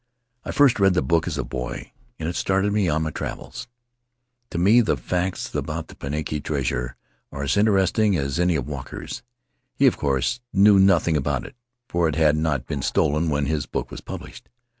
I first read the book as a boy and it started me on my travels. "To me the facts about this Pinaki treasure are as interesting as any of Walker's. He, of course, knew nothing about it, for it had not been stolen when his book was published.